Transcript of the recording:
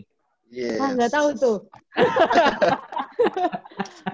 hah gak tau tuh